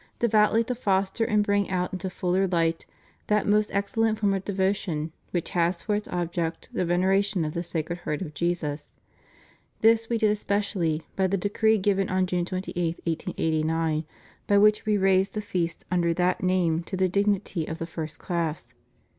de voutly to foster and bring out into fuller light that most excellent form of devotion which has for its object the veneration of the Sacred Heart of Jesus: this We did especially by the decree given on June 28, 1889, by which We raised the feast under that name to the dignity of the first class.